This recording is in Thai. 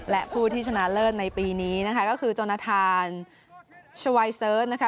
และผู้ที่ชนะเลิศในปีนี้นะคะก็คือจนทานชวายเสิร์ชนะคะ